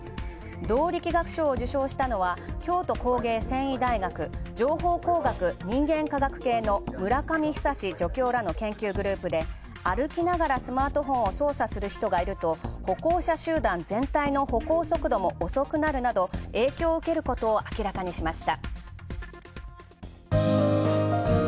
動力学賞を受賞したのは京都工芸繊維大学、情報工学・人間科学系の村上久助教授らの研究グループで、歩きながらスマートフォンを操作する人がいると歩行者集団全体の歩行速度も遅くなるなど、影響を受けることを明らかにしました。